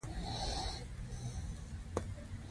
دې تلوین کې حجروي غشا بې رنګه کیږي.